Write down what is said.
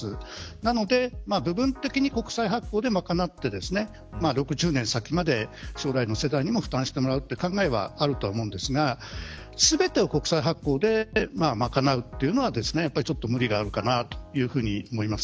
なので部分的に国債発行で賄って６０年先まで将来の世代にも負担してもらうという考えはあるとは思うんですが全てを国債発行で賄うというのはやっぱり、ちょっと無理があるかなと思います。